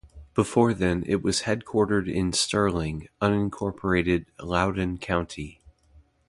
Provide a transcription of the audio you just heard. Before then, it was headquartered in Sterling, unincorporated Loudoun County.